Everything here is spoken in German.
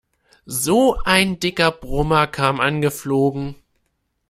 So ein dicker Brummer kam angeflogen.